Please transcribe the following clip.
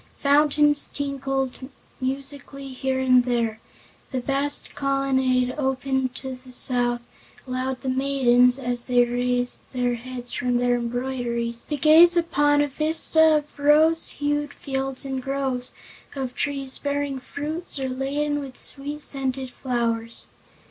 Fountains tinkled musically here and there; the vast colonnade, open to the south, allowed the maidens, as they raised their heads from their embroideries, to gaze upon a vista of rose hued fields and groves of trees bearing fruits or laden with sweet scented flowers.